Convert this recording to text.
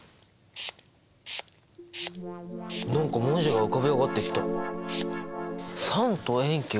何か文字が浮かび上がってきた。